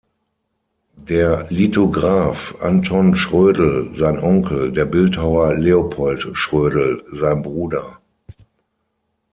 Der Lithograph Anton Schrödl sein Onkel, der Bildhauer Leopold Schrödl sein Bruder.